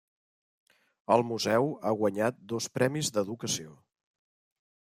El museu ha guanyat dos premis d'educació.